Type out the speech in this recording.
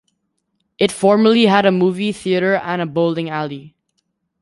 It formerly had a movie theater and bowling alley.